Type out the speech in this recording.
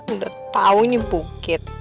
udah tau ini bukit